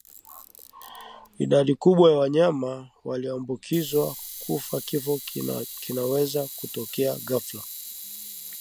idadi kubwa ya wanyama walioambukizwa hufa Kifo kinaweza kutokea ghafla